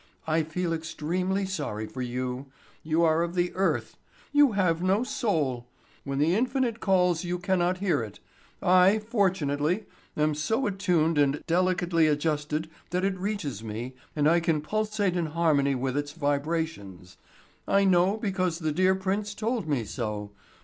"I feel extremely sorry for you. You are of the earth earthy. You have no soul. When the infinite calls you cannot hear it. I, fortunately, am so attuned and delicately adjusted that it reaches me, and I can pulsate in harmony with its vibrations. I know because the dear prince told me so.